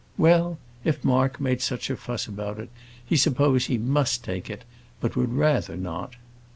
Well, if Mark made such a fuss about it, he supposed he must take it; but would rather not.